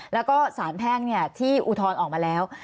แล้วก็สารแพ่งที่อุทธรณ์ออกมาแล้ว